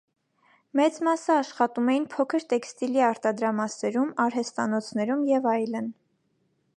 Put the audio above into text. Մեծ մասը աշխատում էին փոքր տեքստիլի արտադրամասերում, արհեստանոցներում և այլն։